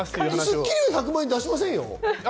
『スッキリ』は１００万円出しませんよ。